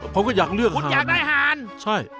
เขาก็อยากเลือกห่านคุณอยากได้ห่านใช่